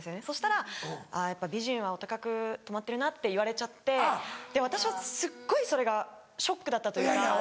そしたら「やっぱ美人はお高くとまってるな」って言われちゃって私はすっごいそれがショックだったというか。